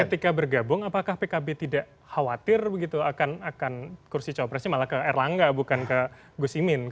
nah ketika bergabung apakah pkb tidak khawatir begitu akan kursi cowok presiden malah ke erlangga bukan ke gusimin